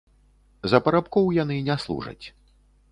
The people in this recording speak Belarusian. За парабкоў яны не служаць.